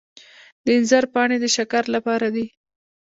د انځر پاڼې د شکر لپاره دي.